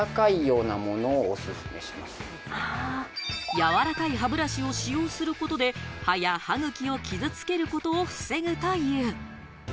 柔らかい歯ブラシを使用することで歯や歯茎を傷つけることを防ぐという。